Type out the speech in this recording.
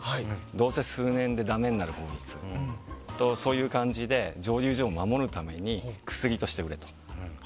どうせ数年でだめになる法律でそういう感じで、蒸留所を守るために薬として売れと。